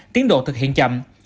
tiến độ thực hiện chậm